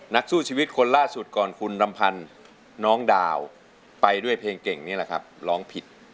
นักสู้ชีวิตคนล่าสุดก่อนคุณลำพันธ์น้องดาวไปด้วยเพลงเก่งนี่แหละครับร้องผิด